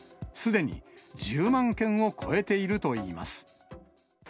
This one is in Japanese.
すでに１０万件を超えているといいます。